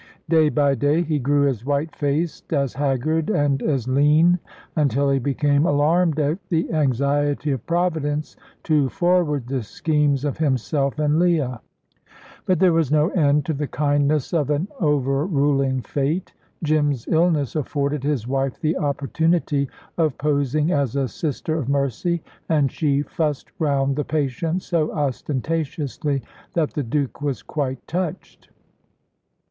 Day by day he grew as white faced, as haggard, and as lean, until he became alarmed at the anxiety of Providence to forward the schemes of himself and Leah. But there was no end to the kindness of an overruling fate. Jim's illness afforded his wife the opportunity of posing as a sister of mercy, and she fussed round the patient so ostentatiously, that the Duke was quite touched.